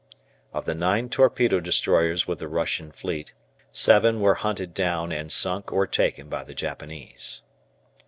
Of the nine torpedo destroyers with the Russian fleet seven were hunted down and sunk or taken by the Japanese.